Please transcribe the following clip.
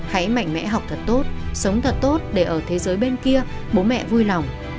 hãy mạnh mẽ học thật tốt sống thật tốt để ở thế giới bên kia bố mẹ vui lòng